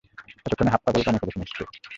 এতক্ষণে হাফ পাগল বানিয়ে ফেলেছে নিশ্চয়ই।